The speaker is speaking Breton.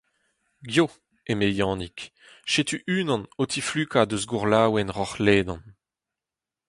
Eo, eme Yannig, setu unan o tiflukañ eus gourlaouenn Roc’h-Ledan